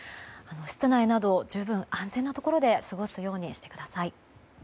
室内など、十分安全なところで過ごすようにしてください。